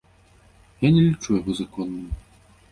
Я не лічу яго законным.